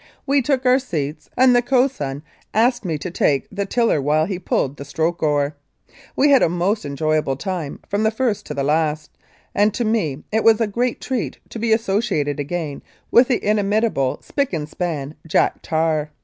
We took our seats, and the cox swain asked me to take the tiller while he pulled the stroke oar. We had a most enjoyable time from first to last, and to me it was a great treat to be associated again with the inimitable spick and span Jack Tar.